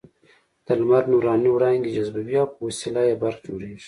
د لمر نوراني وړانګې جذبوي او په وسیله یې برق جوړېږي.